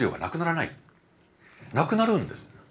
無くなるんです。